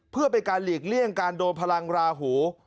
เพื่อเป็นการหลีกเลี่ยงการโดนพลังราหู